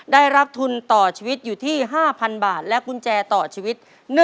ได้รับทุนต่อชีวิตอยู่ที่๕๐๐บาทและกุญแจต่อชีวิต